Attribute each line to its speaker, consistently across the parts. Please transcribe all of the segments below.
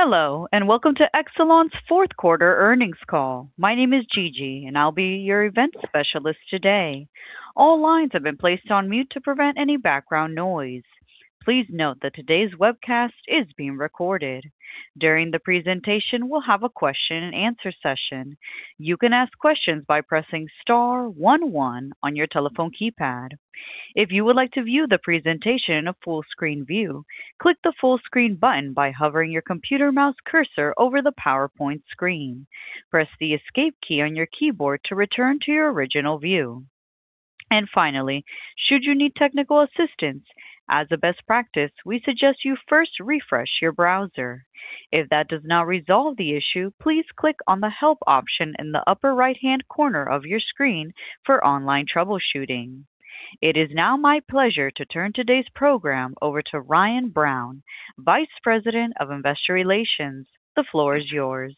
Speaker 1: Hello, and welcome to Exelon's fourth quarter earnings call. My name is Gigi, and I'll be your event specialist today. All lines have been placed on mute to prevent any background noise. Please note that today's webcast is being recorded. During the presentation, we'll have a question-and-answer session. You can ask questions by pressing star one one on your telephone keypad. If you would like to view the presentation in a full screen view, click the full screen button by hovering your computer mouse cursor over the PowerPoint screen. Press the escape key on your keyboard to return to your original view. And finally, should you need technical assistance, as a best practice, we suggest you first refresh your browser. If that does not resolve the issue, please click on the Help option in the upper right-hand corner of your screen for online troubleshooting. It is now my pleasure to turn today's program over to Ryan Brown, Vice President of Investor Relations. The floor is yours.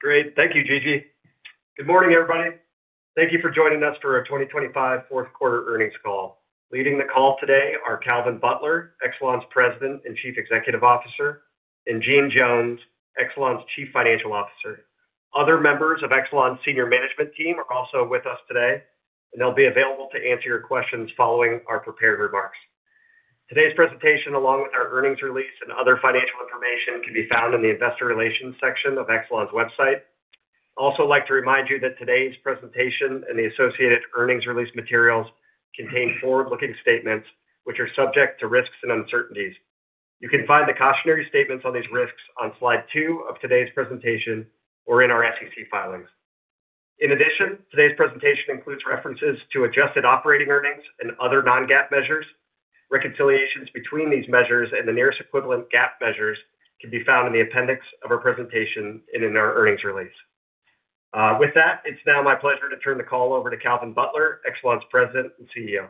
Speaker 2: Great. Thank you, Gigi. Good morning, everybody. Thank you for joining us for our 2025 fourth quarter earnings call. Leading the call today are Calvin Butler, Exelon's President and Chief Executive Officer, and Jeanne Jones, Exelon's Chief Financial Officer. Other members of Exelon's senior management team are also with us today, and they'll be available to answer your questions following our prepared remarks. Today's presentation, along with our earnings release and other financial information, can be found in the investor relations section of Exelon's website. I'd also like to remind you that today's presentation and the associated earnings release materials contain forward-looking statements, which are subject to risks and uncertainties. You can find the cautionary statements on these risks on slide 2 of today's presentation or in our SEC filings. In addition, today's presentation includes references to adjusted operating earnings and other non-GAAP measures. Reconciliations between these measures and the nearest equivalent GAAP measures can be found in the appendix of our presentation and in our earnings release. With that, it's now my pleasure to turn the call over to Calvin Butler, Exelon's President and CEO.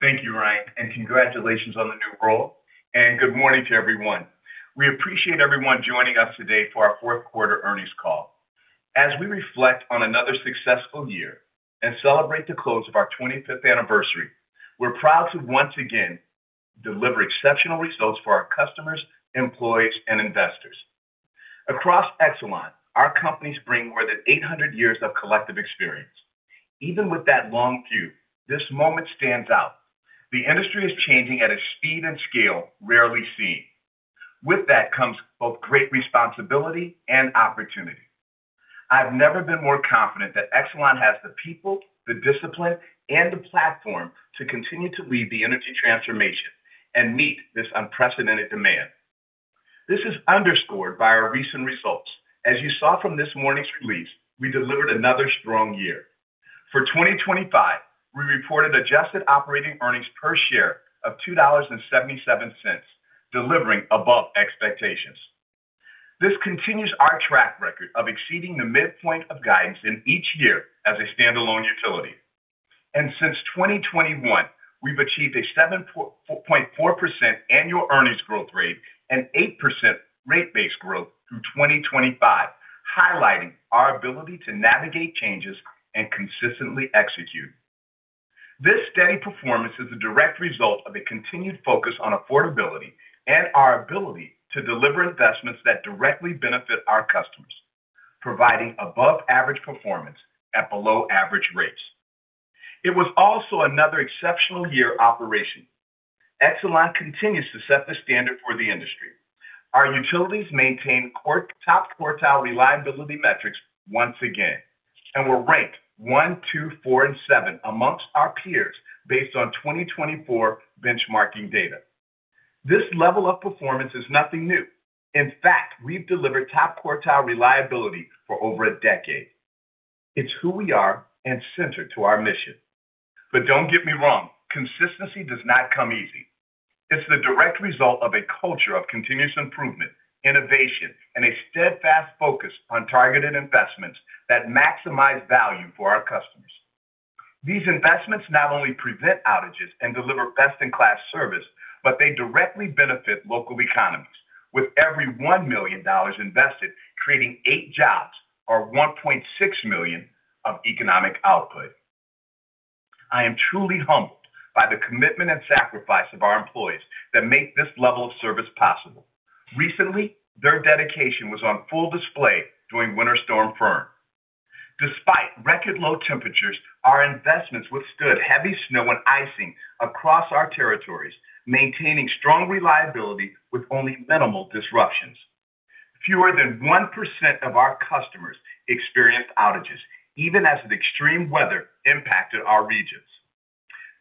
Speaker 3: Thank you, Ryan, and congratulations on the new role, and good morning to everyone. We appreciate everyone joining us today for our fourth quarter earnings call. As we reflect on another successful year and celebrate the close of our 25th anniversary, we're proud to once again deliver exceptional results for our customers, employees, and investors. Across Exelon, our companies bring more than 800 years of collective experience. Even with that long view, this moment stands out. The industry is changing at a speed and scale rarely seen. With that comes both great responsibility and opportunity. I've never been more confident that Exelon has the people, the discipline, and the platform to continue to lead the energy transformation and meet this unprecedented demand. This is underscored by our recent results. As you saw from this morning's release, we delivered another strong year. For 2025, we reported adjusted operating earnings per share of $2.77, delivering above expectations. This continues our track record of exceeding the midpoint of guidance in each year as a standalone utility. Since 2021, we've achieved a 7.4% annual earnings growth rate and 8% rate base growth through 2025, highlighting our ability to navigate changes and consistently execute. This steady performance is a direct result of a continued focus on affordability and our ability to deliver investments that directly benefit our customers, providing above average performance at below average rates. It was also another exceptional year operation. Exelon continues to set the standard for the industry. Our utilities maintain top quartile reliability metrics once again, and we're ranked one, two, four, and seven amongst our peers based on 2024 benchmarking data. This level of performance is nothing new. In fact, we've delivered top quartile reliability for over a decade. It's who we are and centered to our mission. But don't get me wrong, consistency does not come easy. It's the direct result of a culture of continuous improvement, innovation, and a steadfast focus on targeted investments that maximize value for our customers. These investments not only prevent outages and deliver best-in-class service, but they directly benefit local economies, with every $1 million invested, creating 8 jobs or $1.6 million of economic output. I am truly humbled by the commitment and sacrifice of our employees that make this level of service possible. Recently, their dedication was on full display during Winter Storm Fern. Despite record low temperatures, our investments withstood heavy snow and icing across our territories, maintaining strong reliability with only minimal disruptions. Fewer than 1% of our customers experienced outages, even as the extreme weather impacted our regions.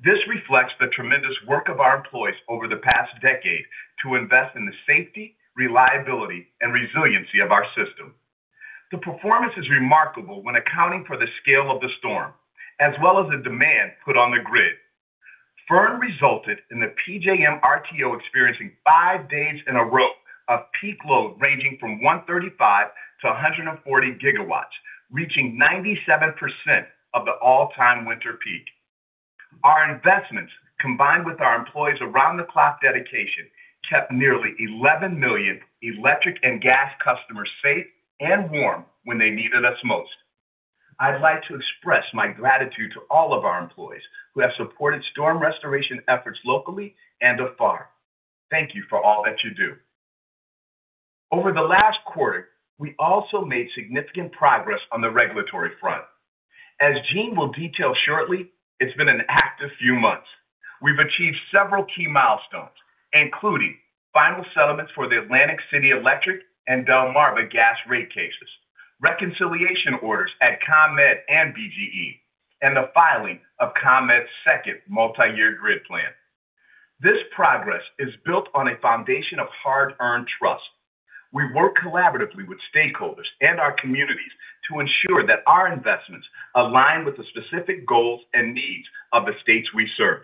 Speaker 3: This reflects the tremendous work of our employees over the past decade to invest in the safety, reliability, and resiliency of our system. The performance is remarkable when accounting for the scale of the storm, as well as the demand put on the grid. Fern resulted in the PJM RTO experiencing 5 days in a row of peak load ranging from 135 GW-140 GW, reaching 97% of the all-time winter peak. Our investments, combined with our employees' around-the-clock dedication, kept nearly 11 million electric and gas customers safe and warm when they needed us most. I'd like to express my gratitude to all of our employees who have supported storm restoration efforts locally and afar. Thank you for all that you do. Over the last quarter, we also made significant progress on the regulatory front. As Jeanne will detail shortly, it's been an active few months. We've achieved several key milestones, including final settlements for the Atlantic City Electric and Delmarva Gas rate cases, reconciliation orders at ComEd and BGE, and the filing of ComEd's second multi-year grid plan. This progress is built on a foundation of hard-earned trust. We work collaboratively with stakeholders and our communities to ensure that our investments align with the specific goals and needs of the states we serve.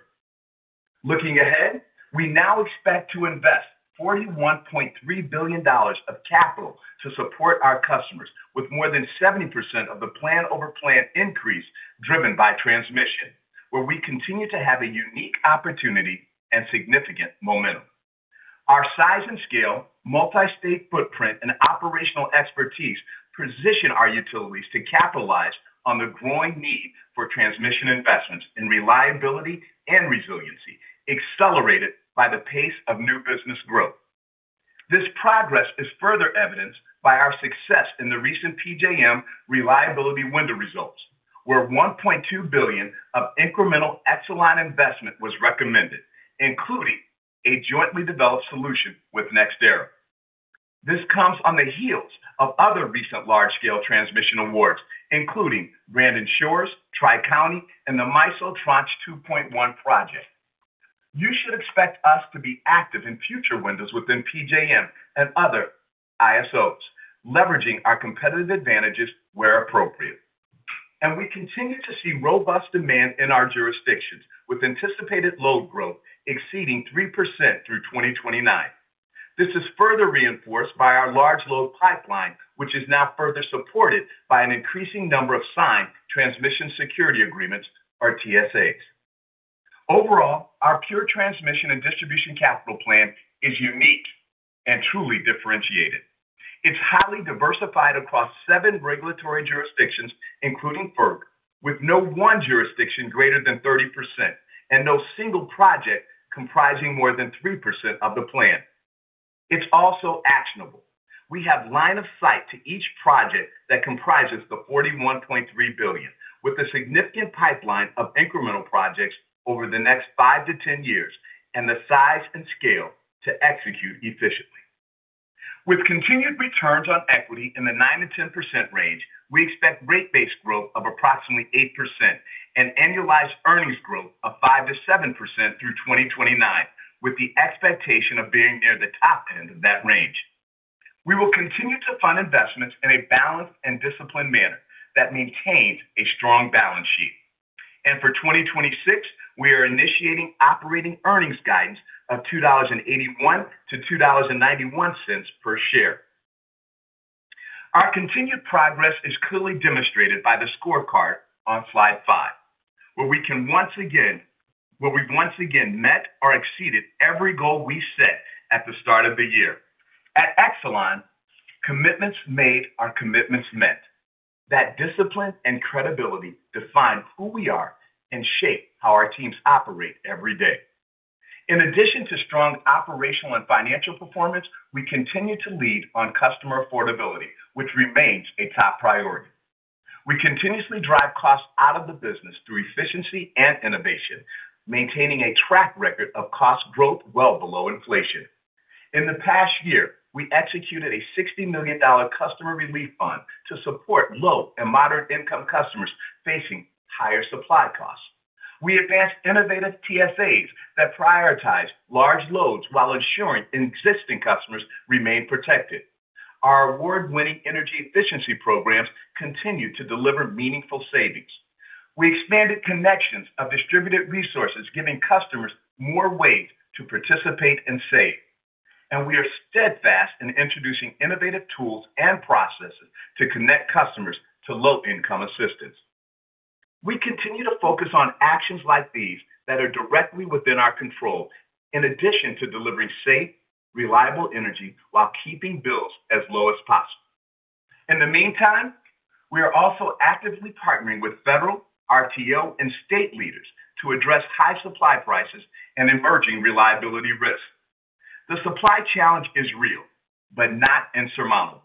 Speaker 3: Looking ahead, we now expect to invest $41.3 billion of capital to support our customers, with more than 70% of the plan over plan increase driven by transmission, where we continue to have a unique opportunity and significant momentum. Our size and scale, multi-state footprint, and operational expertise position our utilities to capitalize on the growing need for transmission investments in reliability and resiliency, accelerated by the pace of new business growth. This progress is further evidenced by our success in the recent PJM Reliability Window results, where $1.2 billion of incremental Exelon investment was recommended, including a jointly developed solution with NextEra. This comes on the heels of other recent large-scale transmission awards, including Brandon Shores, Tri-County, and the MISO Tranche 2.1 project. You should expect us to be active in future windows within PJM and other ISOs, leveraging our competitive advantages where appropriate. And we continue to see robust demand in our jurisdictions, with anticipated load growth exceeding 3% through 2029. This is further reinforced by our large load pipeline, which is now further supported by an increasing number of signed Transmission Security Agreements or TSAs. Overall, our pure transmission and distribution capital plan is unique and truly differentiated. It's highly diversified across seven regulatory jurisdictions, including FERC, with no one jurisdiction greater than 30% and no single project comprising more than 3% of the plan. It's also actionable. We have line of sight to each project that comprises the $41.3 billion, with a significant pipeline of incremental projects over the next 5-10 years and the size and scale to execute efficiently. With continued returns on equity in the 9%-10% range, we expect rate base growth of approximately 8% and annualized earnings growth of 5%-7% through 2029, with the expectation of being near the top end of that range. We will continue to fund investments in a balanced and disciplined manner that maintains a strong balance sheet. For 2026, we are initiating operating earnings guidance of $2.81-$2.91 per share. Our continued progress is clearly demonstrated by the scorecard on slide five, where we've once again met or exceeded every goal we set at the start of the year. At Exelon, commitments made are commitments met, that discipline and credibility define who we are and shape how our teams operate every day. In addition to strong operational and financial performance, we continue to lead on customer affordability, which remains a top priority. We continuously drive costs out of the business through efficiency and innovation, maintaining a track record of cost growth well below inflation. In the past year, we executed a $60 million customer relief fund to support low and moderate-income customers facing higher supply costs. We advanced innovative TSAs that prioritize large loads while ensuring existing customers remain protected. Our award-winning energy efficiency programs continue to deliver meaningful savings. We expanded connections of distributed resources, giving customers more ways to participate and save. We are steadfast in introducing innovative tools and processes to connect customers to low-income assistance. We continue to focus on actions like these that are directly within our control, in addition to delivering safe, reliable energy while keeping bills as low as possible. In the meantime, we are also actively partnering with federal, RTO, and state leaders to address high supply prices and emerging reliability risks. The supply challenge is real, but not insurmountable.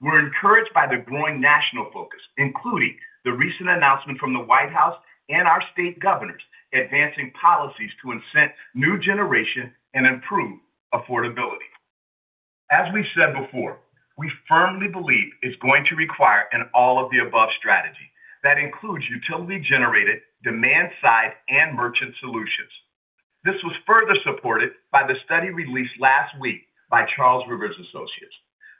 Speaker 3: We're encouraged by the growing national focus, including the recent announcement from the White House and our state governors, advancing policies to incent new generation and improve affordability. As we've said before, we firmly believe it's going to require an all-of-the-above strategy that includes utility-generated, demand-side, and merchant solutions. This was further supported by the study released last week by Charles River Associates.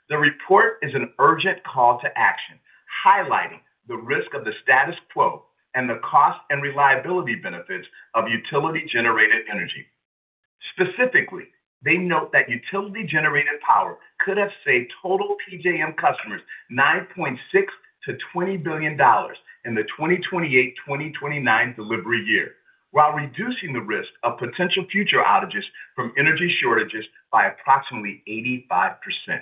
Speaker 3: The report is an urgent call to action, highlighting the risk of the status quo and the cost and reliability benefits of utility-generated energy. Specifically, they note that utility-generated power could have saved total PJM customers $9.6 billion-$20 billion in the 2028, 2029 delivery year. While reducing the risk of potential future outages from energy shortages by approximately 85%.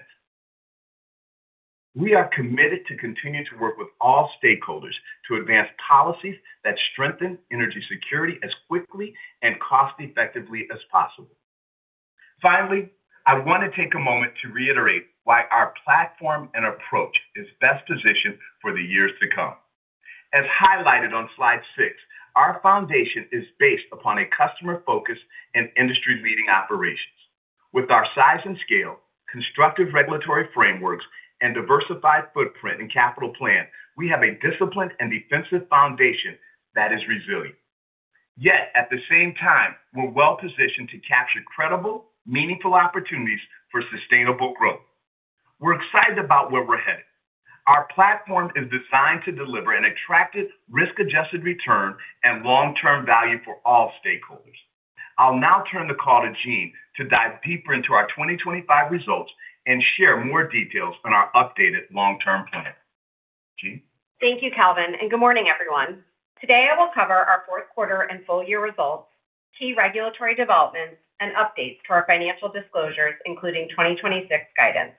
Speaker 3: We are committed to continue to work with all stakeholders to advance policies that strengthen energy security as quickly and cost effectively as possible. Finally, I want to take a moment to reiterate why our platform and approach is best positioned for the years to come. As highlighted on slide 6, our foundation is based upon a customer focus and industry-leading operations. With our size and scale, constructive regulatory frameworks, and diversified footprint and capital plan, we have a disciplined and defensive foundation that is resilient. Yet, at the same time, we're well-positioned to capture credible, meaningful opportunities for sustainable growth. We're excited about where we're headed. Our platform is designed to deliver an attractive, risk-adjusted return and long-term value for all stakeholders. I'll now turn the call to Jeanne to dive deeper into our 2025 results and share more details on our updated long-term plan. Jeanne?
Speaker 4: Thank you, Calvin, and good morning, everyone. Today, I will cover our fourth quarter and full-year results, key regulatory developments, and updates to our financial disclosures, including 2026 guidance.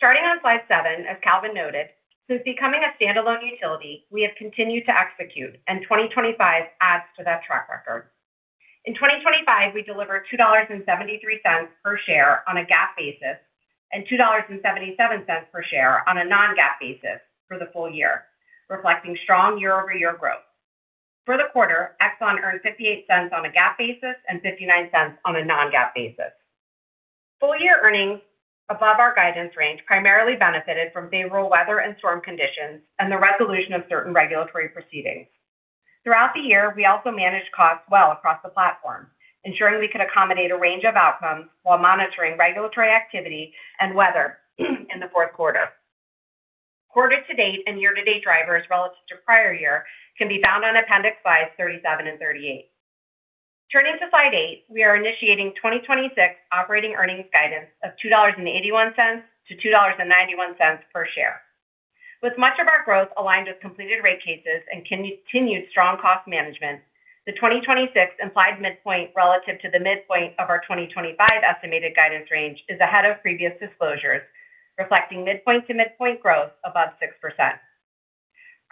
Speaker 4: Starting on slide 7, as Calvin noted, since becoming a standalone utility, we have continued to execute, and 2025 adds to that track record. In 2025, we delivered $2.73 per share on a GAAP basis and $2.77 per share on a non-GAAP basis for the full year, reflecting strong year-over-year growth. For the quarter, Exelon earned $0.58 on a GAAP basis and $0.59 on a non-GAAP basis. Full-year earnings above our guidance range primarily benefited from favorable weather and storm conditions and the resolution of certain regulatory proceedings. Throughout the year, we also managed costs well across the platform, ensuring we could accommodate a range of outcomes while monitoring regulatory activity and weather in the fourth quarter. Quarter-to-date and year-to-date drivers relative to prior year can be found on appendix slides 37 and 38. Turning to slide 8, we are initiating 2026 operating earnings guidance of $2.81-$2.91 per share. With much of our growth aligned with completed rate cases and continued strong cost management, the 2026 implied midpoint relative to the midpoint of our 2025 estimated guidance range is ahead of previous disclosures, reflecting midpoint-to-midpoint growth above 6%.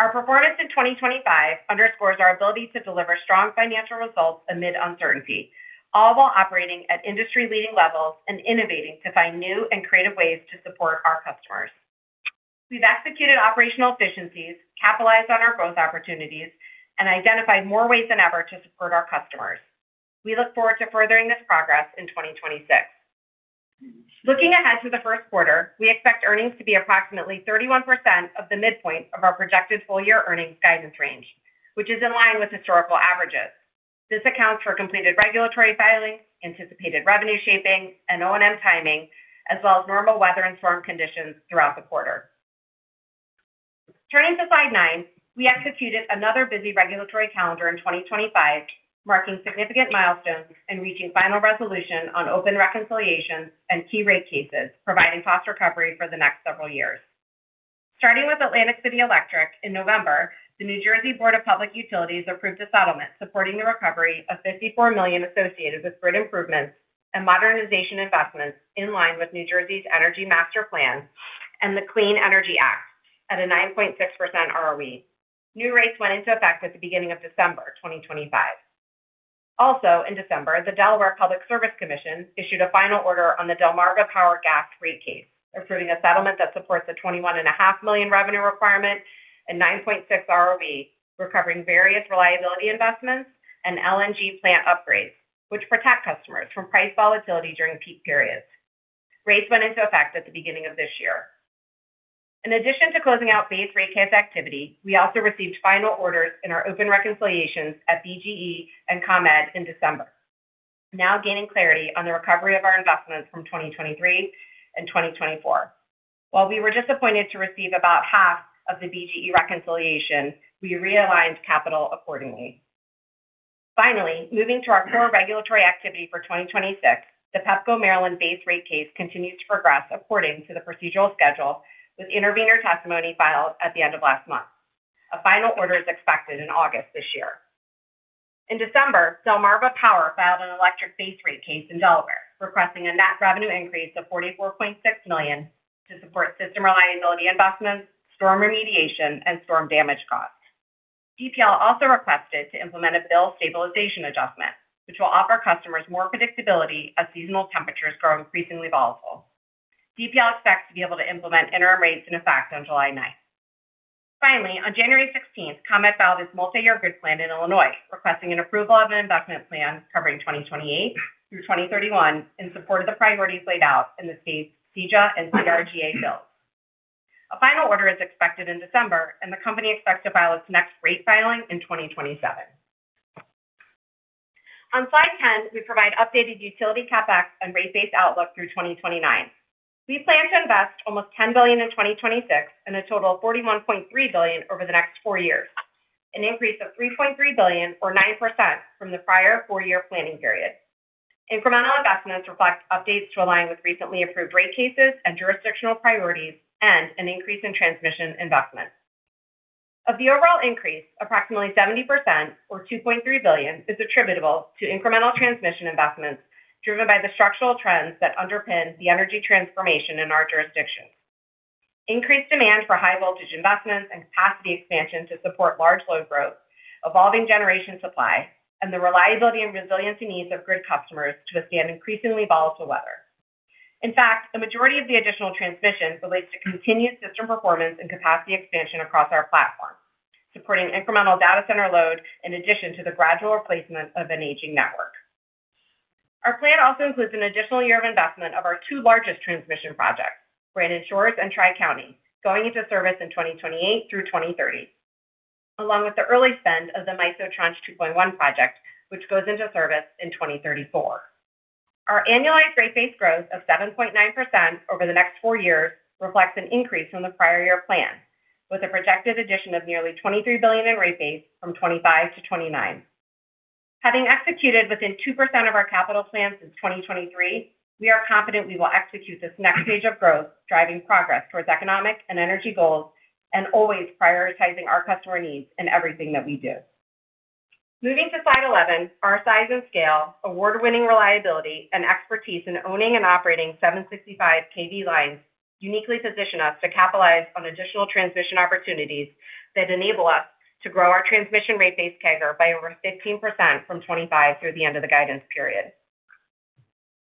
Speaker 4: Our performance in 2025 underscores our ability to deliver strong financial results amid uncertainty, all while operating at industry-leading levels and innovating to find new and creative ways to support our customers. We've executed operational efficiencies, capitalized on our growth opportunities, and identified more ways than ever to support our customers. We look forward to furthering this progress in 2026. Looking ahead to the first quarter, we expect earnings to be approximately 31% of the midpoint of our projected full-year earnings guidance range, which is in line with historical averages. This accounts for completed regulatory filings, anticipated revenue shaping, and O&M timing, as well as normal weather and storm conditions throughout the quarter. Turning to slide 9, we executed another busy regulatory calendar in 2025, marking significant milestones and reaching final resolution on open reconciliations and key rate cases, providing cost recovery for the next several years. Starting with Atlantic City Electric, in November, the New Jersey Board of Public Utilities approved a settlement supporting the recovery of $54 million associated with grid improvements and modernization investments in line with New Jersey's Energy Master Plan and the Clean Energy Act at a 9.6% ROE. New rates went into effect at the beginning of December 2025. Also in December, the Delaware Public Service Commission issued a final order on the Delmarva Power Gas rate case, approving a settlement that supports a $21.5 million revenue requirement and 9.6% ROE, recovering various reliability investments and LNG plant upgrades, which protect customers from price volatility during peak periods. Rates went into effect at the beginning of this year. In addition to closing out base rate case activity, we also received final orders in our open reconciliations at BGE and ComEd in December, now gaining clarity on the recovery of our investments from 2023 and 2024. While we were disappointed to receive about half of the BGE reconciliation, we realigned capital accordingly. Finally, moving to our core regulatory activity for 2026, the Pepco Maryland base rate case continues to progress according to the procedural schedule, with intervener testimony filed at the end of last month. A final order is expected in August this year. In December, Delmarva Power filed an electric base rate case in Delaware, requesting a net revenue increase of $44.6 million to support system reliability investments, storm remediation, and storm damage costs. DPL also requested to implement a bill stabilization adjustment, which will offer customers more predictability as seasonal temperatures grow increasingly volatile. DPL expects to be able to implement interim rates in effect on July 9th. Finally, on January 16th, ComEd filed its multi-year grid plan in Illinois, requesting an approval of an investment plan covering 2028 through 2031 in support of the priorities laid out in the state's CEJA and CRGA bills. A final order is expected in December, and the company expects to file its next rate filing in 2027. On slide 10, we provide updated utility CapEx and rate base outlook through 2029. We plan to invest almost $10 billion in 2026 and a total of $41.3 billion over the next four years, an increase of $3.3 billion or 9% from the prior four-year planning period. Incremental investments reflect updates to align with recently approved rate cases and jurisdictional priorities, and an increase in transmission investments. Of the overall increase, approximately 70% or $2.3 billion, is attributable to incremental transmission investments, driven by the structural trends that underpin the energy transformation in our jurisdictions. Increased demand for high voltage investments and capacity expansion to support large load growth, evolving generation supply, and the reliability and resiliency needs of grid customers to withstand increasingly volatile weather. In fact, the majority of the additional transmissions relates to continued system performance and capacity expansion across our platform, supporting incremental data center load in addition to the gradual replacement of an aging network. Our plan also includes an additional year of investment of our two largest transmission projects, Brandon Shores and Tri-County, going into service in 2028 through 2030, along with the early spend of the MISO Tranche 2.1 project, which goes into service in 2034. Our annualized rate base growth of 7.9% over the next four years reflects an increase from the prior year plan, with a projected addition of nearly $23 billion in rate base from 2025-2029. Having executed within 2% of our capital plan since 2023, we are confident we will execute this next stage of growth, driving progress towards economic and energy goals, and always prioritizing our customer needs in everything that we do. Moving to slide 11, our size and scale, award-winning reliability, and expertise in owning and operating 765 kV lines, uniquely position us to capitalize on additional transition opportunities that enable us to grow our transmission rate base CAGR by over 15% from 2025 through the end of the guidance period.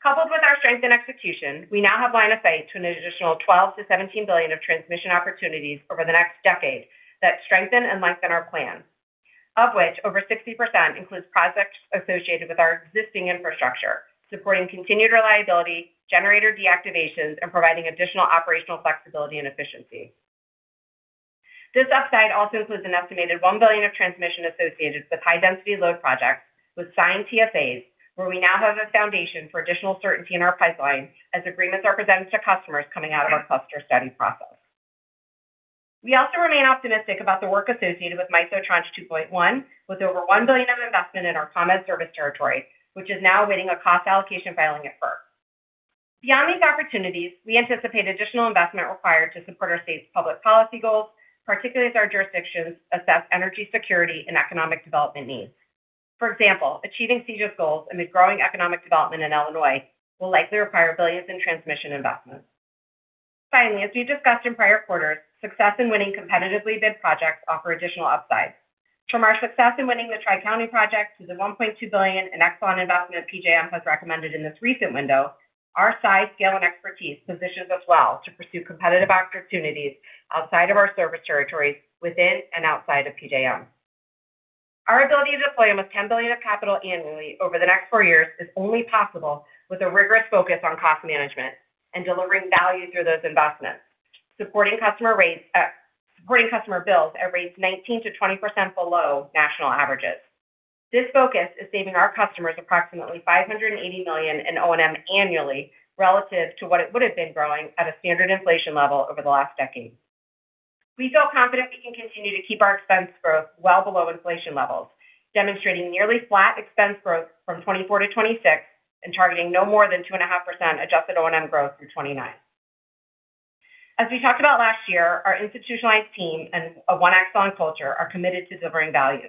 Speaker 4: Coupled with our strength and execution, we now have line of sight to an additional $12 billion-$17 billion of transmission opportunities over the next decade that strengthen and lengthen our plan, of which over 60% includes projects associated with our existing infrastructure, supporting continued reliability, generator deactivations, and providing additional operational flexibility and efficiency. This upside also includes an estimated $1 billion of transmission associated with high density load projects with signed TFAs, where we now have a foundation for additional certainty in our pipeline as agreements are presented to customers coming out of our cluster study process. We also remain optimistic about the work associated with MISO Tranche 2.1, with over $1 billion of investment in our ComEd service territory, which is now awaiting a cost allocation filing at FERC. Beyond these opportunities, we anticipate additional investment required to support our state's public policy goals, particularly as our jurisdictions assess energy security and economic development needs. For example, achieving CEJA's goals and the growing economic development in Illinois will likely require billions in transmission investments. Finally, as we've discussed in prior quarters, success in winning competitively bid projects offer additional upsides. From our success in winning the Tri-County projects to the $1.2 billion in Exelon investment PJM has recommended in this recent window, our size, scale, and expertise positions us well to pursue competitive opportunities outside of our service territories, within and outside of PJM. Our ability to deploy almost $10 billion of capital annually over the next four years is only possible with a rigorous focus on cost management and delivering value through those investments, supporting customer rates, supporting customer bills at rates 19%-20% below national averages. This focus is saving our customers approximately $580 million in O&M annually, relative to what it would have been growing at a standard inflation level over the last decade. We feel confident we can continue to keep our expense growth well below inflation levels, demonstrating nearly flat expense growth from 2024-2026, and targeting no more than 2.5% adjusted O&M growth through 2029. As we talked about last year, our institutionalized team and a One Exelon culture are committed to delivering value.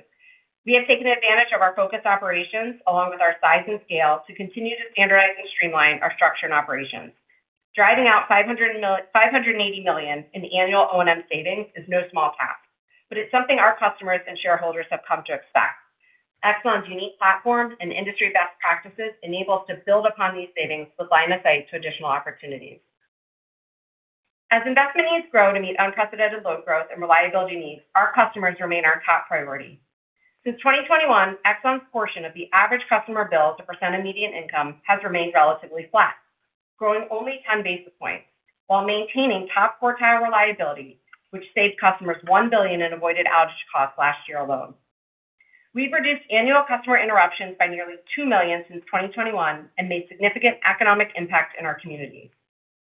Speaker 4: We have taken advantage of our focused operations, along with our size and scale, to continue to standardize and streamline our structure and operations. Driving out $580 million in annual O&M savings is no small task, but it's something our customers and shareholders have come to expect. Exelon's unique platforms and industry best practices enable us to build upon these savings with line of sight to additional opportunities. As investment needs grow to meet unprecedented load growth and reliability needs, our customers remain our top priority. Since 2021, Exelon's portion of the average customer bill 2% of median income has remained relatively flat, growing only 10 basis points while maintaining top quartile reliability, which saved customers $1 billion in avoided outage costs last year alone. We've reduced annual customer interruptions by nearly 2 million since 2021 and made significant economic impact in our community.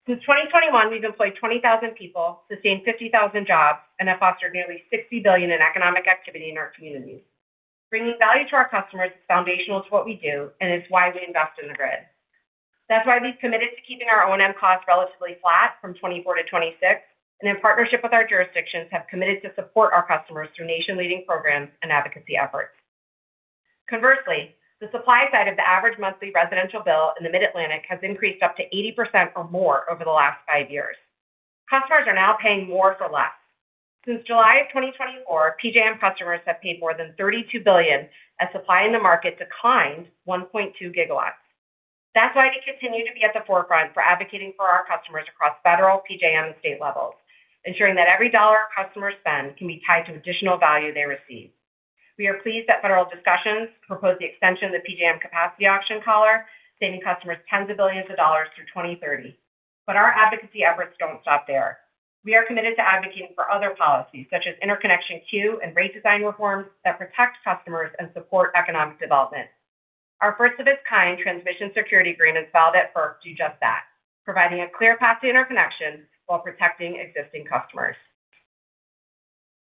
Speaker 4: Since 2021, we've employed 20,000 people, sustained 50,000 jobs, and have fostered nearly $60 billion in economic activity in our communities. Bringing value to our customers is foundational to what we do, and it's why we invest in the grid. That's why we've committed to keeping our O&M costs relatively flat from 2024-2026, and in partnership with our jurisdictions, have committed to support our customers through nation-leading programs and advocacy efforts. Conversely, the supply side of the average monthly residential bill in the Mid-Atlantic has increased up to 80% or more over the last five years. Customers are now paying more for less. Since July 2024, PJM customers have paid more than $32 billion as supply in the market declined 1.2 GW. That's why we continue to be at the forefront for advocating for our customers across federal, PJM, and state levels, ensuring that every dollar customers spend can be tied to additional value they receive. We are pleased that federal discussions propose the extension of the PJM capacity auction collar, saving customers tens of billions of dollars through 2030. But our advocacy efforts don't stop there. We are committed to advocating for other policies, such as interconnection queue and rate design reforms that protect customers and support economic development. Our first of its kind transmission service agreements filed at FERC do just that, providing a clear path to interconnection while protecting existing customers.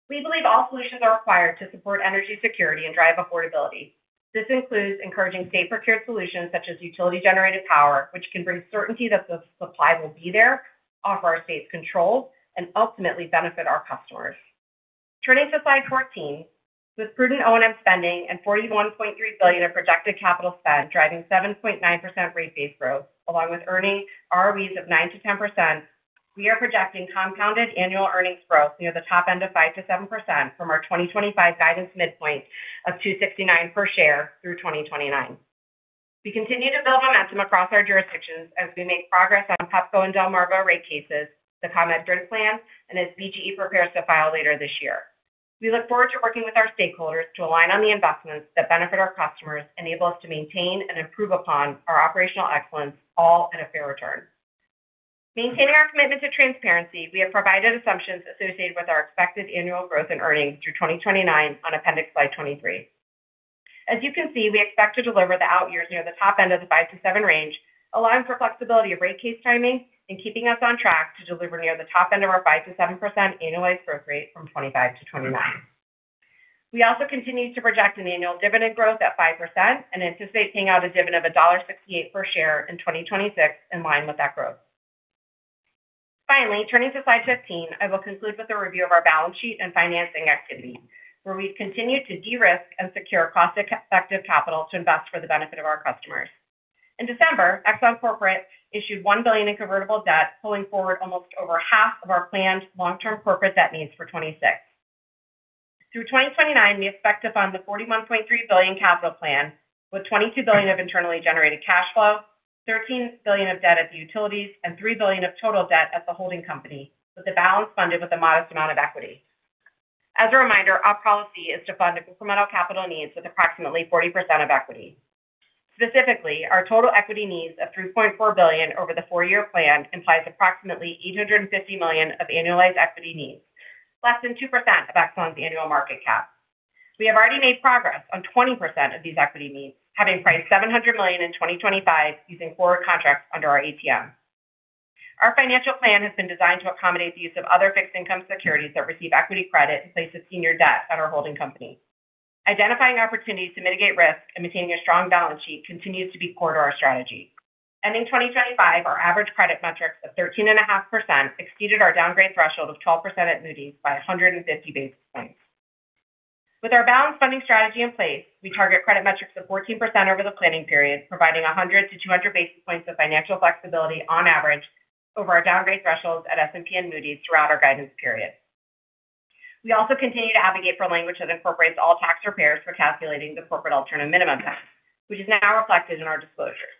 Speaker 4: We believe all solutions are required to support energy security and drive affordability. This includes encouraging state-procured solutions such as utility-generated power, which can bring certainty that the supply will be there, offer our states control, and ultimately benefit our customers. Turning to slide 14, with prudent O&M spending and $41.3 billion of projected capital spend, driving 7.9% rate base growth, along with earning ROEs of 9%-10%, we are projecting compounded annual earnings growth near the top end of 5%-7% from our 2025 guidance midpoint of $2.69 per share through 2029. We continue to build momentum across our jurisdictions as we make progress on Pepco and Delmarva rate cases, the ComEd growth plan, and as BGE prepares to file later this year. We look forward to working with our stakeholders to align on the investments that benefit our customers, enable us to maintain and improve upon our operational excellence, all at a fair return. Maintaining our commitment to transparency, we have provided assumptions associated with our expected annual growth in earnings through 2029 on appendix slide 23. As you can see, we expect to deliver the out years near the top end of the 5%-7% range, allowing for flexibility of rate case timing and keeping us on track to deliver near the top end of our 5%-7% annualized growth rate from 2025-2029. We also continue to project an annual dividend growth at 5% and anticipate paying out a dividend of $1.68 per share in 2026, in line with that growth. Finally, turning to slide 15, I will conclude with a review of our balance sheet and financing activity, where we've continued to de-risk and secure cost-effective capital to invest for the benefit of our customers. In December, Exelon Corporation issued $1 billion in convertible debt, pulling forward almost over half of our planned long-term corporate debt needs for 2026. Through 2029, we expect to fund the $41.3 billion capital plan, with $22 billion of internally generated cash flow, $13 billion of debt at the utilities, and $3 billion of total debt at the holding company, with the balance funded with a modest amount of equity. As a reminder, our policy is to fund incremental capital needs with approximately 40% of equity. Specifically, our total equity needs of $3.4 billion over the 4-year plan implies approximately $850 million of annualized equity needs, less than 2% of Exelon's annual market cap. We have already made progress on 20% of these equity needs, having priced $700 million in 2025 using forward contracts under our ATM. Our financial plan has been designed to accommodate the use of other fixed income securities that receive equity credit in place of senior debt at our holding company. Identifying opportunities to mitigate risk and maintaining a strong balance sheet continues to be core to our strategy. Ending 2025, our average credit metrics of 13.5% exceeded our downgrade threshold of 12% at Moody's by 150 basis points. With our balanced funding strategy in place, we target credit metrics of 14% over the planning period, providing 100-200 basis points of financial flexibility on average over our downgrade thresholds at S&P and Moody's throughout our guidance period. We also continue to advocate for language that incorporates all tax repairs for calculating the Corporate Alternative Minimum Tax, which is now reflected in our disclosures.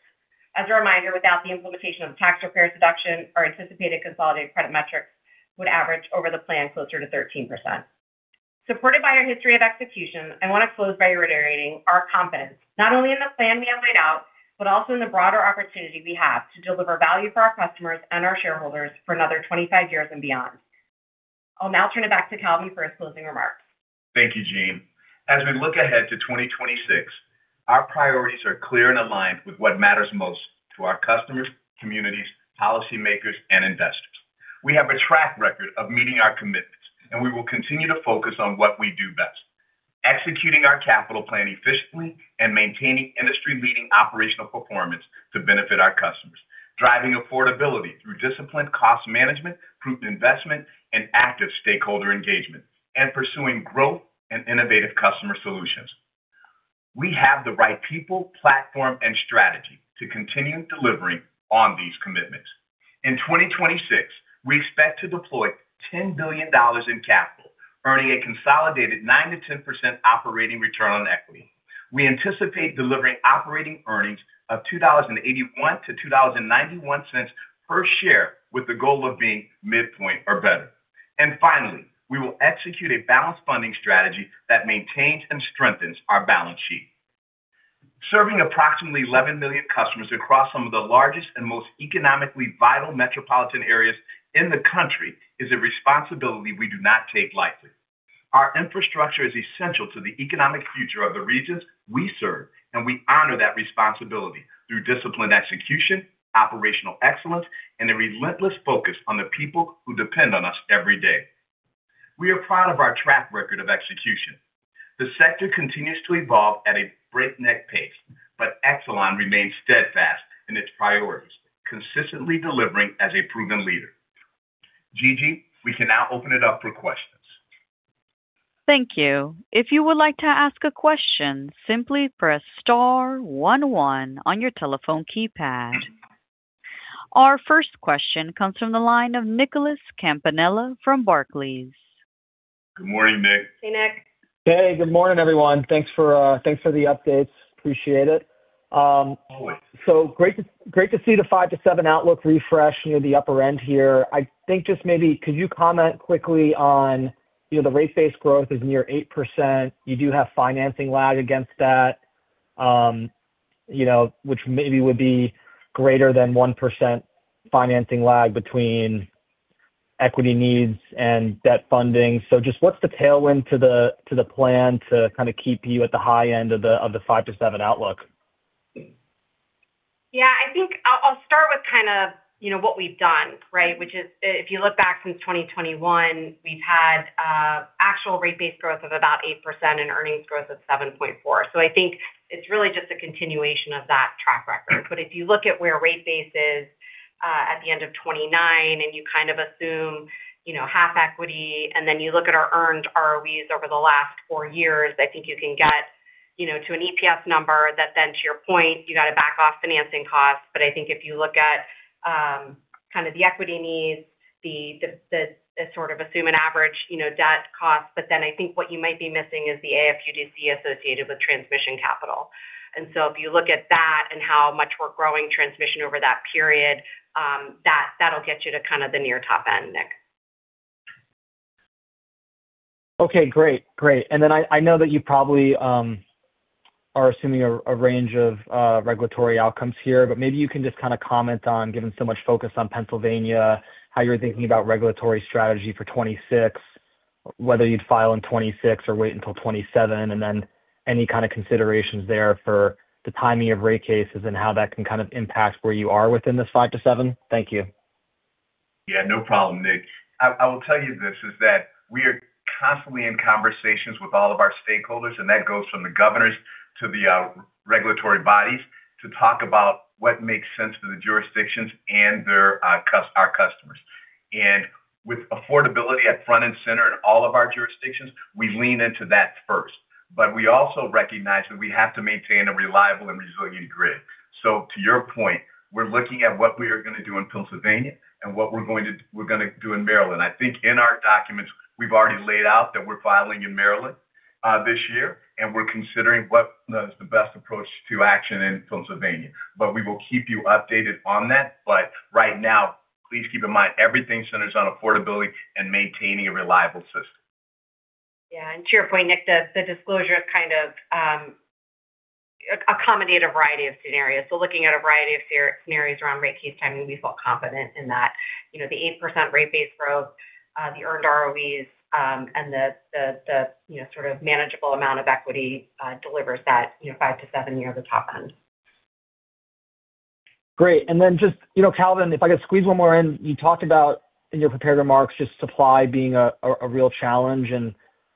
Speaker 4: As a reminder, without the implementation of tax repair deduction, our anticipated consolidated credit metrics would average over the plan closer to 13%. Supported by our history of execution, I want to close by reiterating our confidence, not only in the plan we have laid out, but also in the broader opportunity we have to deliver value for our customers and our shareholders for another 25 years and beyond. I'll now turn it back to Calvin for his closing remarks.
Speaker 3: Thank you, Jeanne. As we look ahead to 2026, our priorities are clear and aligned with what matters most to our customers, communities, policymakers, and investors. We have a track record of meeting our commitments, and we will continue to focus on what we do best: executing our capital plan efficiently and maintaining industry-leading operational performance to benefit our customers, driving affordability through disciplined cost management, prudent investment, and active stakeholder engagement, and pursuing growth and innovative customer solutions. We have the right people, platform, and strategy to continue delivering on these commitments. In 2026, we expect to deploy $10 billion in capital, earning a consolidated 9%-10% operating return on equity. We anticipate delivering operating earnings of $2.81-$2.91 per share, with the goal of being midpoint or better. And finally, we will execute a balanced funding strategy that maintains and strengthens our balance sheet. Serving approximately 11 million customers across some of the largest and most economically vital metropolitan areas in the country is a responsibility we do not take lightly. Our infrastructure is essential to the economic future of the regions we serve, and we honor that responsibility through disciplined execution, operational excellence, and a relentless focus on the people who depend on us every day. We are proud of our track record of execution. The sector continues to evolve at a breakneck pace, but Exelon remains steadfast in its priorities, consistently delivering as a proven leader. Gigi, we can now open it up for questions.
Speaker 1: Thank you. If you would like to ask a question, simply press star one one on your telephone keypad. Our first question comes from the line of Nicholas Campanella from Barclays.
Speaker 3: Good morning, Nick.
Speaker 4: Hey, Nick.
Speaker 5: Hey, good morning, everyone. Thanks for the updates. Appreciate it. So great to see the 5%-7% outlook refresh near the upper end here. I think just maybe could you comment quickly on, you know, the rate-based growth is near 8%. You do have financing lag against that, you know, which maybe would be greater than 1% financing lag between equity needs and debt funding. So just what's the tailwind to the plan to kind of keep you at the high end of the 5%-7% outlook?
Speaker 4: Yeah, I think I'll start with kind of, you know, what we've done, right? Which is, if you look back since 2021, we've had actual rate base growth of about 8% and earnings growth of 7.4%. So I think it's really just a continuation of that track record. But if you look at where rate base is at the end of 2029, and you kind of assume, you know, half equity, and then you look at our earned ROEs over the last four years, I think you can get, you know, to an EPS number that then, to your point, you got to back off financing costs. But I think if you look at kind of the equity needs, the sort of assume an average, you know, debt cost, but then I think what you might be missing is the AFUDC associated with transmission capital. And so if you look at that and how much we're growing transmission over that period, that'll get you to kind of the near top end, Nick.
Speaker 5: Okay, great. Great. And then I know that you probably are assuming a range of regulatory outcomes here, but maybe you can just kind of comment on, given so much focus on Pennsylvania, how you're thinking about regulatory strategy for 2026, whether you'd file in 2026 or wait until 2027, and then any kind of considerations there for the timing of rate cases and how that can kind of impact where you are within this 5%-7%? Thank you.
Speaker 3: Yeah, no problem, Nick. I will tell you this, is that we are constantly in conversations with all of our stakeholders, and that goes from the governors to the regulatory bodies, to talk about what makes sense to the jurisdictions and their our customers. And with affordability at front and center in all of our jurisdictions, we lean into that first. But we also recognize that we have to maintain a reliable and resilient grid. So to your point, we're looking at what we are going to do in Pennsylvania and what we're gonna do in Maryland. I think in our documents, we've already laid out that we're filing in Maryland this year, and we're considering what is the best approach to action in Pennsylvania. But we will keep you updated on that. Right now, please keep in mind, everything centers on affordability and maintaining a reliable system.
Speaker 4: Yeah, and to your point, Nick, the disclosure kind of accommodate a variety of scenarios. So looking at a variety of scenarios around rate case timing, we feel confident in that. You know, the 8% rate base growth, the earned ROEs, and the, you know, sort of manageable amount of equity, delivers that, you know, 5%-7% near the top end.
Speaker 5: Great. And then just, you know, Calvin, if I could squeeze one more in, you talked about in your prepared remarks, just supply being a real challenge. And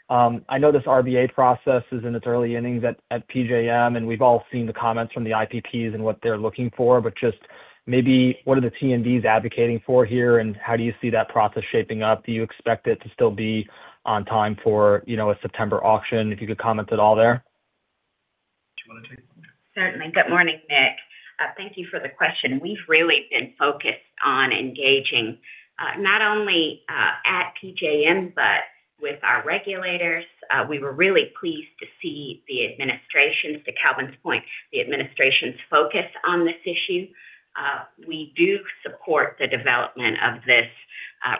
Speaker 5: I know this RBA process is in its early innings at PJM, and we've all seen the comments from the IPPs and what they're looking for, but just maybe what are the T&Ds advocating for here, and how do you see that process shaping up? Do you expect it to still be on time for, you know, a September auction? If you could comment at all there.
Speaker 3: Do you want to take it?
Speaker 6: Certainly. Good morning, Nick. Thank you for the question. We've really been focused on engaging, not only at PJM, but with our regulators. We were really pleased to see the administration's, to Calvin's point, the administration's focus on this issue. We do support the development of this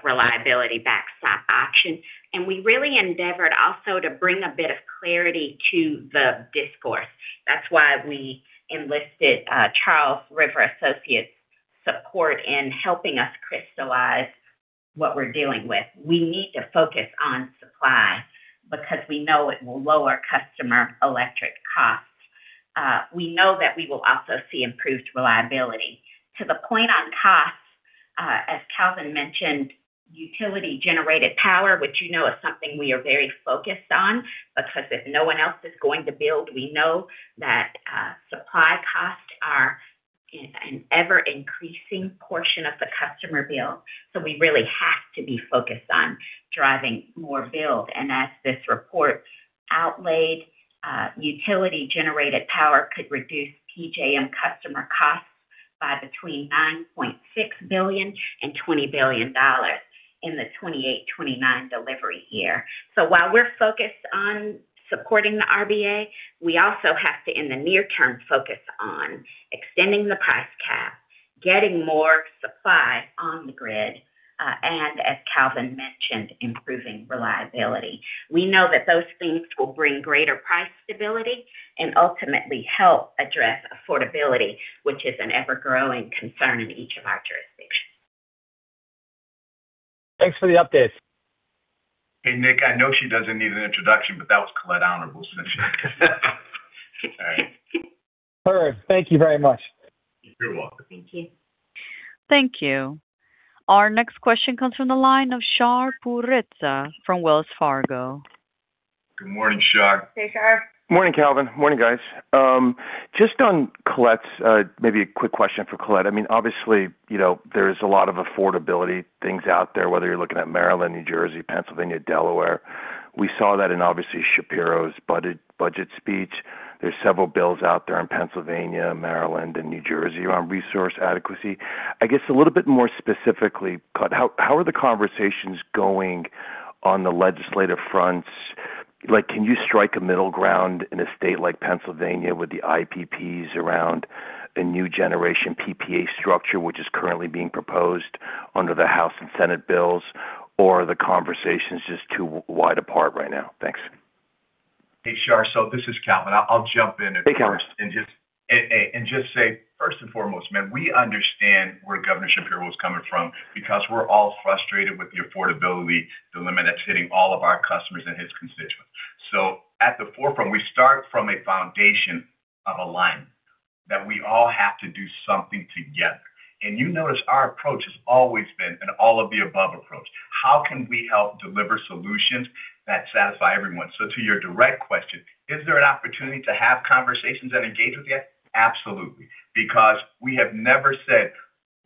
Speaker 6: reliability backstop option, and we really endeavored also to bring a bit of clarity to the discourse. That's why we enlisted Charles River Associates' support in helping us crystallize what we're dealing with. We need to focus on supply because we know it will lower customer electric costs. We know that we will also see improved reliability. To the point on costs, as Calvin mentioned, utility-generated power, which you know, is something we are very focused on, because if no one else is going to build, we know that supply costs are an ever-increasing portion of the customer bill. So we really have to be focused on driving more build. And as this report outlaid, utility-generated power could reduce PJM customer costs by between $9.6 billion and $20 billion in the 2028-2029 delivery year. So while we're focused on supporting the RBA, we also have to, in the near term, focus on extending the price cap, getting more supply on the grid, and as Calvin mentioned, improving reliability. We know that those things will bring greater price stability and ultimately help address affordability, which is an ever-growing concern in each of our jurisdictions.
Speaker 5: Thanks for the updates.
Speaker 3: Hey, Nick, I know she doesn't need an introduction, but that was Colette Honorable. All right.
Speaker 5: Perfect. Thank you very much.
Speaker 3: You're welcome.
Speaker 6: Thank you.
Speaker 1: Thank you. Our next question comes from the line of Shar Pourreza from Wells Fargo.
Speaker 3: Good morning, Shar.
Speaker 4: Hey, Shar.
Speaker 7: Morning, Calvin. Morning, guys. Just on Colette's, maybe a quick question for Colette. I mean, obviously, you know, there's a lot of affordability things out there, whether you're looking at Maryland, New Jersey, Pennsylvania, Delaware. We saw that in, obviously, Shapiro's budget speech. There's several bills out there in Pennsylvania, Maryland, and New Jersey on resource adequacy. I guess a little bit more specifically, Colette, how are the conversations going on the legislative fronts? Like, can you strike a middle ground in a state like Pennsylvania with the IPPs around a new generation PPA structure, which is currently being proposed under the House and Senate bills, or are the conversations just too wide apart right now? Thanks.
Speaker 3: Hey, Shar. So this is Calvin. I'll jump in at first-
Speaker 7: Hey, Calvin.
Speaker 3: Hey, and just say, first and foremost, man, we understand where Governor Shapiro is coming from because we're all frustrated with the affordability dilemma that's hitting all of our customers and his constituents. So at the forefront, we start from a foundation of alignment, that we all have to do something together. And you notice our approach has always been an all-of-the-above approach. How can we help deliver solutions that satisfy everyone? So to your direct question, is there an opportunity to have conversations and engage with you? Absolutely, because we have never said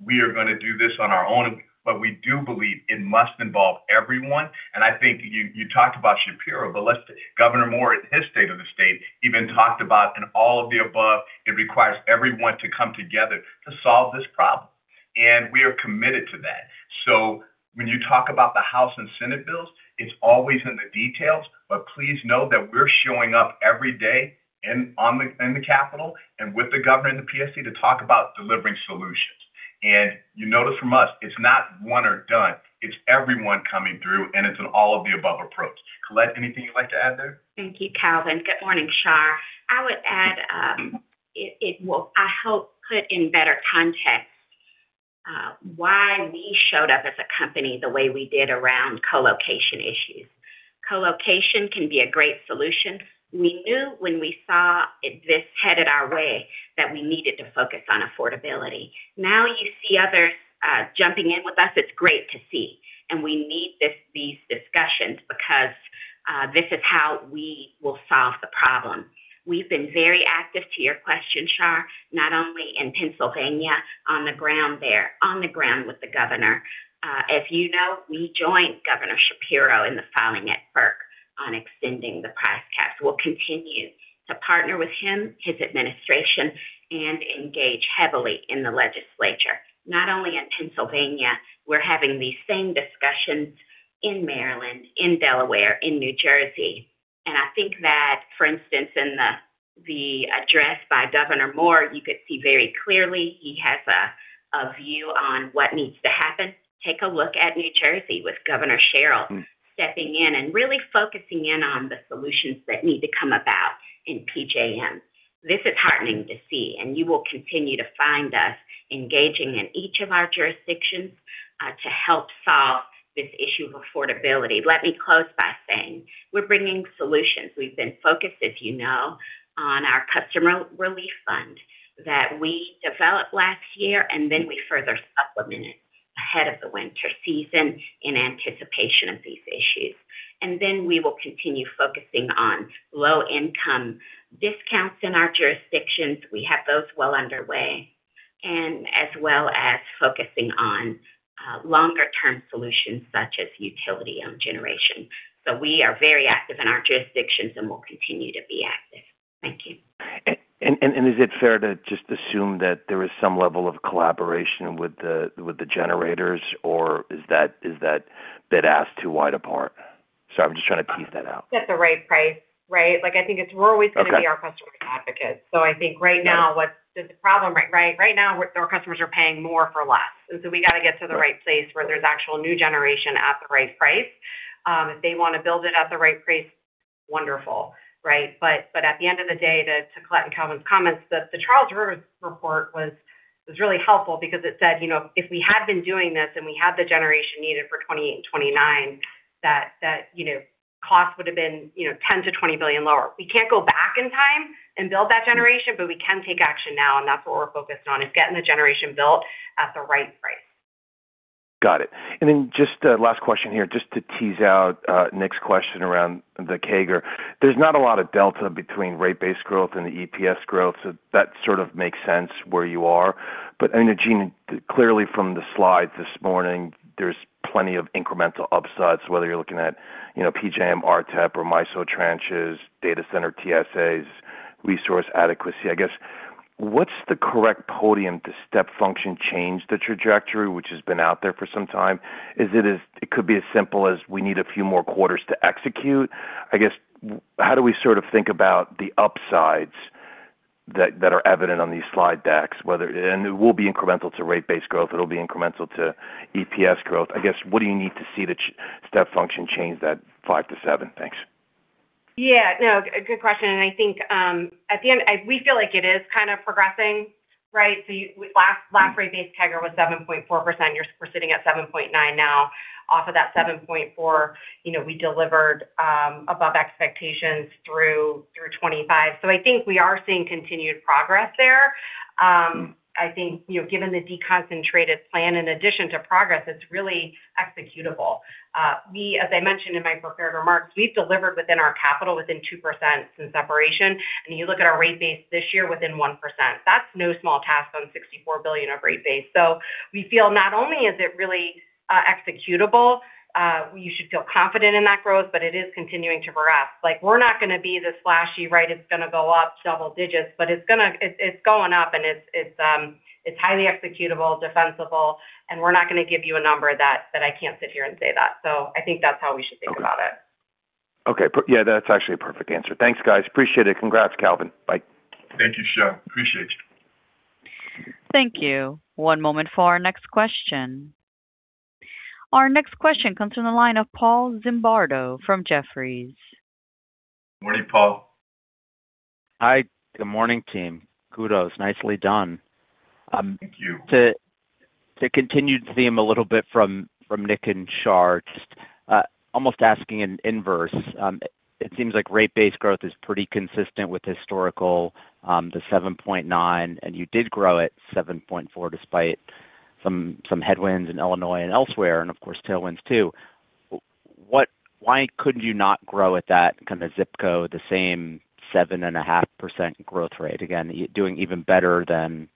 Speaker 3: we are going to do this on our own, but we do believe it must involve everyone. And I think you, you talked about Shapiro, but listen, Governor Moore, in his State of the State, even talked about an all-of-the-above. It requires everyone to come together to solve this problem, and we are committed to that. So when you talk about the House and Senate bills, it's always in the details, but please know that we're showing up every day in the Capitol and with the government, the PSC, to talk about delivering solutions. And you notice from us, it's not one or done, it's everyone coming through, and it's an all-of-the-above approach. Colette, anything you'd like to add there?
Speaker 6: Thank you, Calvin. Good morning, Shar. I would add, it will, I hope, put in better context why we showed up as a company the way we did around co-location issues. Co-location can be a great solution. We knew when we saw this headed our way, that we needed to focus on affordability. Now, you see others jumping in with us, it's great to see, and we need these discussions because this is how we will solve the problem. We've been very active, to your question, Shar, not only in Pennsylvania, on the ground there, on the ground with the governor. As you know, we joined Governor Shapiro in the filing at FERC on extending the price cap. We'll continue to partner with him, his administration, and engage heavily in the legislature, not only in Pennsylvania, we're having these same discussions in Maryland, in Delaware, in New Jersey. And I think that, for instance, in the address by Governor Moore, you could see very clearly he has a view on what needs to happen. Take a look at New Jersey, with Governor Sherrill stepping in and really focusing in on the solutions that need to come about in PJM. This is heartening to see, and you will continue to find us engaging in each of our jurisdictions, to help solve this issue of affordability. Let me close by saying, we're bringing solutions. We've been focused, as you know, on our customer relief fund that we developed last year, and then we further supplemented it ahead of the winter season in anticipation of these issues. Then we will continue focusing on low-income discounts in our jurisdictions. We have those well underway, and as well as focusing on longer-term solutions such as utility-owned generation. So we are very active in our jurisdictions and will continue to be active. Thank you.
Speaker 7: Is it fair to just assume that there is some level of collaboration with the generators, or is that a bit too far apart? So I'm just trying to piece that out.
Speaker 4: At the right price, right? Like, I think it's we're always-
Speaker 7: Okay.
Speaker 4: Gonna be our customer advocates. So I think right now, what's the problem, right? Right now, our customers are paying more for less, and so we got to get to the right place where there's actual new generation at the right price. If they want to build it at the right price, wonderful, right? But at the end of the day, to collect on Calvin's comments, that the Charles River report was really helpful because it said, you know, if we had been doing this and we had the generation needed for 2029, that you know, cost would have been, you know, $10 billion-$20 billion lower. We can't go back in time and build that generation, but we can take action now, and that's what we're focused on, is getting the generation built at the right price.
Speaker 7: Got it. And then just a last question here, just to tease out, Nick's question around the CAGR. There's not a lot of delta between rate base growth and the EPS growth, so that sort of makes sense where you are. But I mean, Jeanne, clearly from the slides this morning, there's plenty of incremental upsides, whether you're looking at, you know, PJM, RTEP or MISO tranches, data center TSAs, resource adequacy. I guess, what's the correct podium to step function change the trajectory, which has been out there for some time? Is it as it could be as simple as we need a few more quarters to execute. I guess, how do we sort of think about the upsides that, that are evident on these slide decks, whether. And it will be incremental to rate base growth, it'll be incremental to EPS growth. I guess, what do you need to see the step function change that 5%-7%? Thanks.
Speaker 4: Yeah, no, good question, and I think, at the end, we feel like it is kind of progressing, right? So last rate base CAGR was 7.4%. We're sitting at 7.9% now. Off of that 7.4%, you know, we delivered above expectations through 2025. So I think we are seeing continued progress there. I think, you know, given the deconcentrated plan, in addition to progress, it's really executable. We, as I mentioned in my prepared remarks, we've delivered within our capital within 2% since separation. And you look at our rate base this year within 1%. That's no small task on $64 billion of rate base. So we feel not only is it really executable, we should feel confident in that growth, but it is continuing to progress. Like, we're not gonna be the flashy, right, it's gonna go up double digits, but it's gonna—it's going up and it's highly executable, defensible, and we're not gonna give you a number that I can't sit here and say that. So I think that's how we should think about it.
Speaker 7: Okay. Yeah, that's actually a perfect answer. Thanks, guys. Appreciate it. Congrats, Calvin. Bye.
Speaker 3: Thank you, Shar. Appreciate you.
Speaker 1: Thank you. One moment for our next question. Our next question comes from the line of Paul Zimbardo from Jefferies.
Speaker 3: Morning, Paul.
Speaker 8: Hi, good morning, team. Kudos. Nicely done.
Speaker 3: Thank you.
Speaker 8: To continue the theme a little bit from Nick and Shar, just almost asking in inverse. It seems like rate-based growth is pretty consistent with historical the 7.9%, and you did grow at 7.4%, despite some headwinds in Illinois and elsewhere, and of course, tailwinds, too. Why could you not grow at that kind of zip code, the same 7.5% growth rate? Again, you doing even better than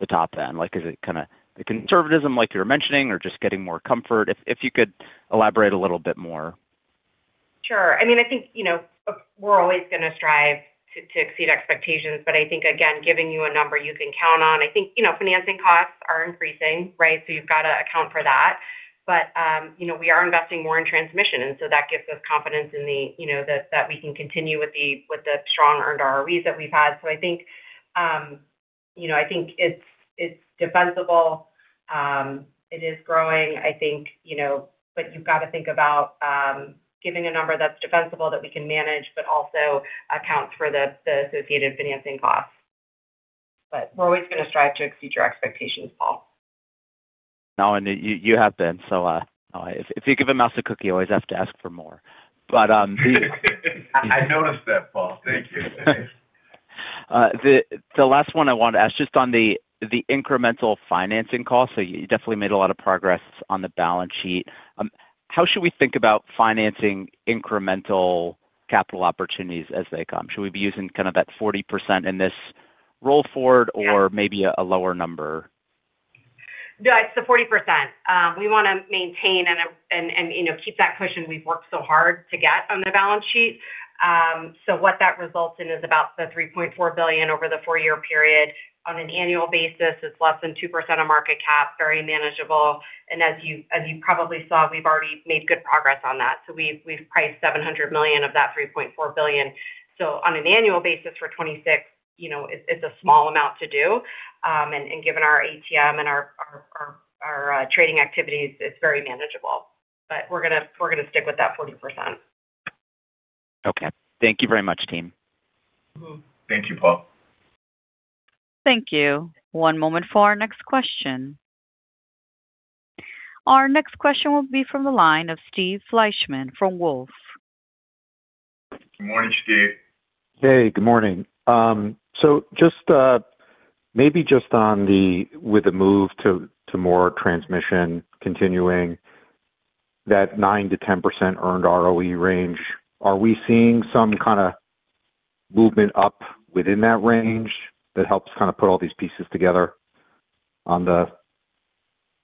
Speaker 8: the top end. Like, is it kind of the conservatism like you were mentioning or just getting more comfort? If you could elaborate a little bit more.
Speaker 4: Sure. I mean, I think, you know, we're always going to strive to exceed expectations, but I think, again, giving you a number you can count on. I think, you know, financing costs are increasing, right? So you've got to account for that. But, you know, we are investing more in transmission, and so that gives us confidence in the, you know, that we can continue with the strong earned ROEs that we've had. So I think, you know, I think it's defensible. It is growing, I think, you know, but you've got to think about giving a number that's defensible, that we can manage, but also accounts for the associated financing costs. But we're always going to strive to exceed your expectations, Paul.
Speaker 8: No, and you have been so. If you give a mouse a cookie, you always have to ask for more. But, the-
Speaker 3: I noticed that, Paul. Thank you.
Speaker 8: The last one I wanted to ask, just on the incremental financing cost. So you definitely made a lot of progress on the balance sheet. How should we think about financing incremental capital opportunities as they come? Should we be using kind of that 40% in this roll forward-
Speaker 4: Yeah.
Speaker 8: Or maybe a lower number?
Speaker 4: No, it's the 40%. We want to maintain and you know keep that cushion we've worked so hard to get on the balance sheet. So what that results in is about the $3.4 billion over the 4-year period. On an annual basis, it's less than 2% of market cap, very manageable. And as you probably saw, we've already made good progress on that. So we've priced $700 million of that $3.4 billion. So on an annual basis for 2026, you know, it's a small amount to do. And given our ATM and our trading activities, it's very manageable. But we're gonna stick with that 40%.
Speaker 8: Okay. Thank you very much, team.
Speaker 3: Thank you, Paul.
Speaker 1: Thank you. One moment for our next question. Our next question will be from the line of Steve Fleishman from Wolfe.
Speaker 3: Good morning, Steve.
Speaker 9: Hey, good morning. So just, maybe just on the with the move to, to more transmission, continuing that 9%-10% earned ROE range, are we seeing some kind of movement up within that range that helps kind of put all these pieces together on the,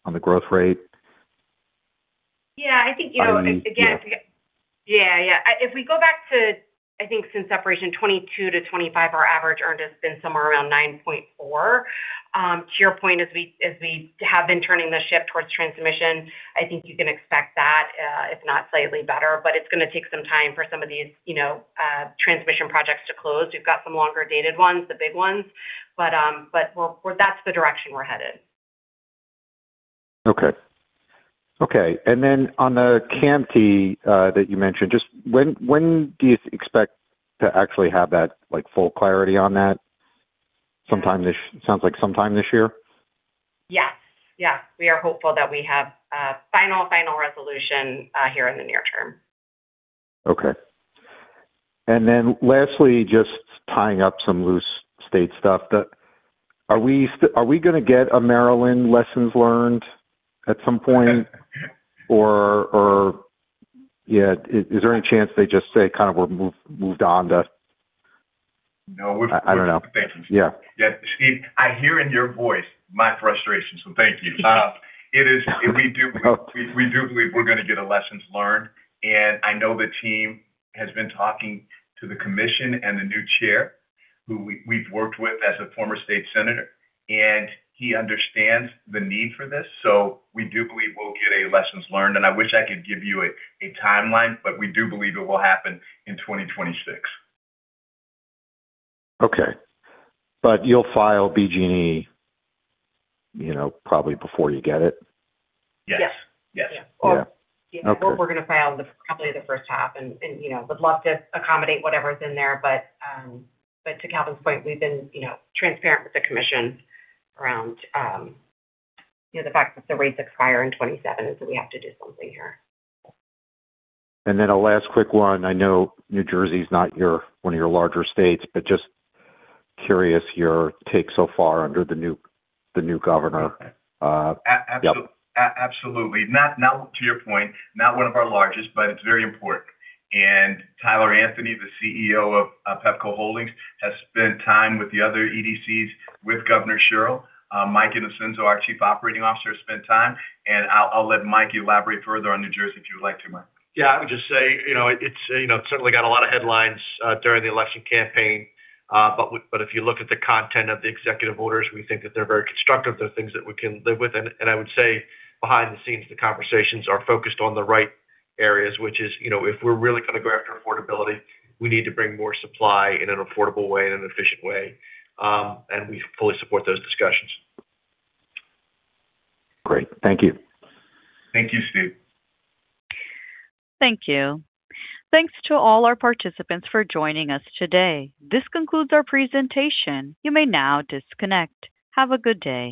Speaker 9: on the growth rate?
Speaker 4: Yeah, I think, you know, again-
Speaker 9: Yeah.
Speaker 4: Yeah, yeah. If we go back to, I think, since separation, 2022-2025, our average earned has been somewhere around 9.4. To your point, as we have been turning the ship towards transmission, I think you can expect that, if not slightly better, but it's going to take some time for some of these, you know, transmission projects to close. We've got some longer-dated ones, the big ones. Well, that's the direction we're headed.
Speaker 9: Okay. Okay, and then on the CAMT, that you mentioned, just when, when do you expect to actually have that, like, full clarity on that? Sometime this, sounds like sometime this year?
Speaker 4: Yes, yes. We are hopeful that we have a final, final resolution here in the near term.
Speaker 9: Okay. And then lastly, just tying up some loose state stuff that, are we still going to get a Maryland lessons learned at some point? Or, yeah, is there any chance they just say, kind of we're moved on to-
Speaker 3: No-
Speaker 9: I don't know. Yeah.
Speaker 3: Yeah. Steve, I hear in your voice my frustration, so thank you. It is, we do believe we're going to get a lessons learned, and I know the team has been talking to the commission and the new chair, who we've worked with as a former state senator, and he understands the need for this. So we do believe we'll get a lessons learned, and I wish I could give you a timeline, but we do believe it will happen in 2026.
Speaker 9: Okay. But you'll file BGE, you know, probably before you get it?
Speaker 3: Yes.
Speaker 4: Yes.
Speaker 6: Yes.
Speaker 9: Yeah. Okay.
Speaker 4: We're going to file the, probably the first half and, and, you know, would love to accommodate whatever's in there. But, but to Calvin's point, we've been, you know, transparent with the commission around, you know, the fact that the rates expire in 2027, is that we have to do something here.
Speaker 9: And then a last quick one. I know New Jersey is not your, one of your larger states, but just curious, your take so far under the new governor.
Speaker 3: Absolutely. Not to your point, not one of our largest, but it's very important. And Tyler Anthony, the CEO of Pepco Holdings, has spent time with the other EDCs, with Governor Sherrill. Mike Innocenzo, our Chief Operating Officer, spent time, and I'll let Mike elaborate further on New Jersey, if you would like to, Mike.
Speaker 10: Yeah, I would just say, you know, it's, you know, it's certainly got a lot of headlines during the election campaign, but if you look at the content of the executive orders, we think that they're very constructive. They're things that we can live with. And I would say behind the scenes, the conversations are focused on the right areas, which is, you know, if we're really going to go after affordability, we need to bring more supply in an affordable way and an efficient way. And we fully support those discussions.
Speaker 9: Great. Thank you.
Speaker 3: Thank you, Steve.
Speaker 1: Thank you. Thanks to all our participants for joining us today. This concludes our presentation. You may now disconnect. Have a good day.